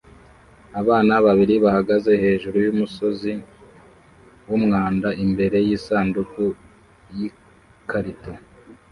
Abana babiri bahagaze hejuru yumusozi wumwanda imbere yisanduku yikarito